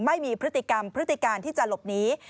ไม่มีพฤติกรรมพฤติการที่จะหลบหนี